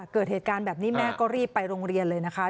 เกิดเหตุการณ์แบบนี้แม่ก็รีบไปโรงเรียนเลยนะคะ